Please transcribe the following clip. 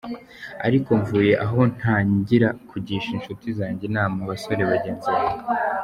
" Ariko mvuye aho ntangira kugisha inshuti zanjye inama abasore bagenzi banjye.